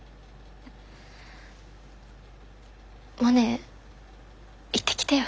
モネ行ってきてよ。